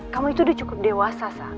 kamu itu udah cukup dewasa